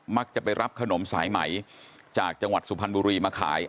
จะไปรับขนมสายไหมจากจังหวัดสุพรรณบุรีมาขาย